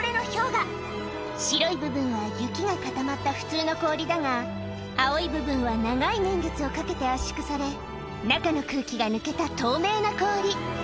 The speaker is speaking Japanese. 白い部分は雪が固まった普通の氷だが青い部分は長い年月をかけて圧縮され中の空気が抜けた透明な氷